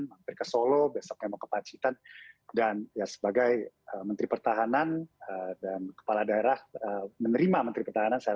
mampir ke solo besoknya mau ke pacitan dan ya sebagai menteri pertahanan dan kepala daerah menerima menteri pertahanan